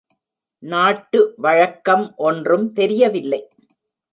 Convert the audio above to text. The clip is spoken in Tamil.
நாட்டு வழக்கம் ஒன்றும் தெரியவில்லை.